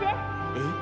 えっ。